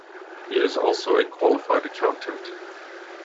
He is also a qualified accountant.